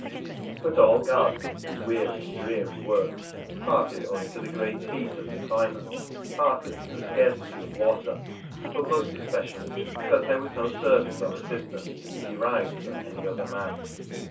But all gardening was weary and dreary work ; partly owing to the great heat of the climate, partly to the scarcity of water, but most especially because there was no service or assistance to be derived from any other man.